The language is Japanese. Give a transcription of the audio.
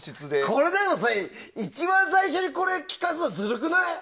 これでもさ、一番最初に聴かすのずるくない？